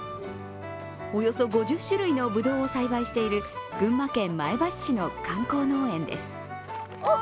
およそ５０種類のぶどうを栽培している群馬県前橋市の観光農園です。